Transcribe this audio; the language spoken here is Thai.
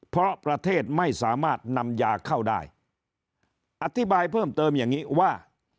เพราะประเทศไม่สามารถนำยาเข้าได้อธิบายเพิ่มเติมอย่างนี้ว่า